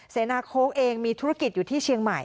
เสนาโค้กเองมีธุรกิจอยู่ที่เชียงใหม่